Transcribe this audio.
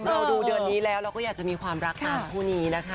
เราดูเดือนนี้แล้วเราก็อยากจะมีความรักตามคู่นี้นะคะ